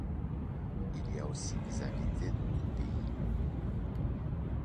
Il y a aussi des invités d'autres pays.